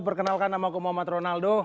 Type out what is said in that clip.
perkenalkan nama ke muhammad ronaldo